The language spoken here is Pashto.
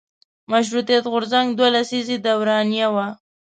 مشروطیت غورځنګ دوه لسیزې دورانیه وه.